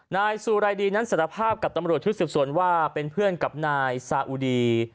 นายสุรายดีนั้นสารภาพกับตำรวจชุดสืบสวนว่าเป็นเพื่อนกับนายซาอุดี